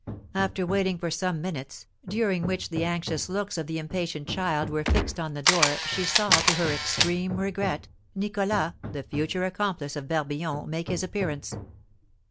After waiting for some minutes, during which the anxious looks of the impatient child were fixed on the door, she saw, to her extreme regret, Nicholas, the future accomplice of Barbillon, make his appearance.